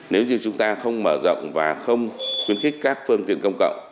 nếu như chúng ta không mở rộng và không khuyến khích các phương tiện công cộng